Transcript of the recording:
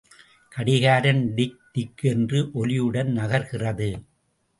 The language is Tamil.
கடிகாரம் டிக், டிக் என்ற ஒலியுடன் நகர்கிறது!